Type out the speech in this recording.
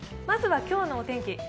まずは今日のお天気